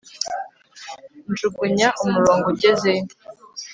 Njugunya umurongo ugezeyo